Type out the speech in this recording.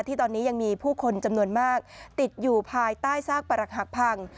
ที่ตอนนี้ยังมีผู้คนจำนวนมากติดอยู่ภายใต้ซากปรักหักพัง